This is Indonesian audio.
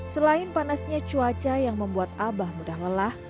selain panasnya cuaca yang membuat abah mudah lelah